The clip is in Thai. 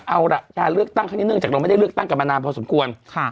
เอาล่ะการเลือกตั้งครั้งนี้เนื่องจากเราไม่ได้เลือกตั้งกันมานานพอสมควร